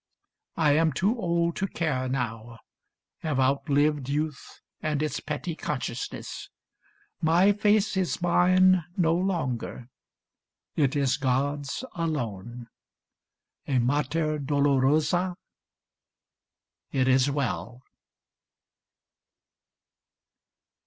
I am too old to care now, have outlived Youth and its petty consciousness. My face Is mine no longer. It is God's alone. A Mater Dolorosa